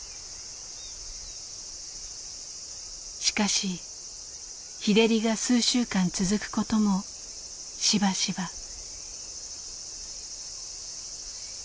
しかし日照りが数週間続くこともしばしば。